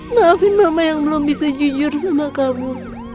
maafin mama yang belum bisa jujur sama kamu